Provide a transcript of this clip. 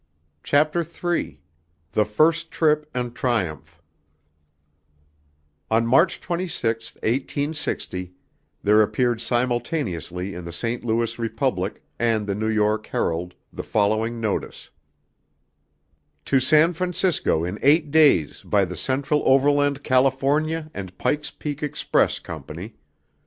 Chapter III The First Trip and Triumph On March 26, 1860, there appeared simultaneously in the St. Louis Republic and the New York Herald the following notice: To San Francisco in 8 days by the Central Overland California and Pike's Peak Express Company.